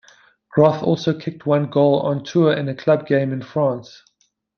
Grothe also kicked one goal on tour in a club game in France.